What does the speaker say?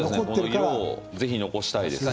ぜひ残したいです。